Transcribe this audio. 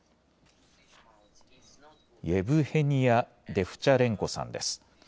イェヴヘニア・デフチャレンコさんです。